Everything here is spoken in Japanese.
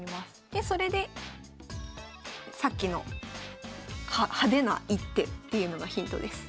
でそれでさっきの「派手な一手」っていうのがヒントです。